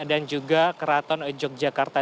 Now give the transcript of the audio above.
dan juga keraton yogyakarta